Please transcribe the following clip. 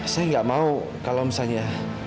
saya nggak mau kalau misalnya